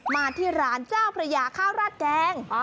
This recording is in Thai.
มาที่ร้านเจ้าพระยาข้าวราดแกง